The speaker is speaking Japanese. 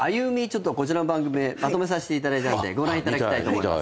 こちらの番組でまとめさせていただいたのでご覧いただきたいと思います。